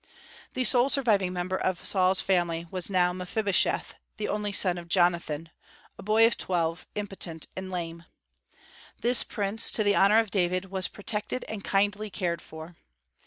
The sole surviving member of Saul's family was now Mephibosheth, the only son of Jonathan, a boy of twelve, impotent, and lame. This prince, to the honor of David, was protected and kindly cared for.